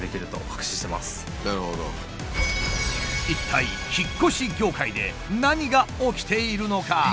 一体引っ越し業界で何が起きているのか？